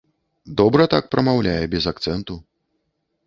Добра так прамаўляе, без акцэнту.